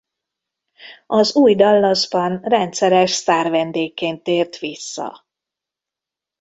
Az új Dallasban rendszeres sztárvendégként tért vissza.